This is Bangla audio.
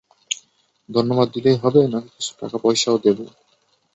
ধন্যবাদ দিলেই হবে, নাকি কিছু টাকা পয়সাও দেবো?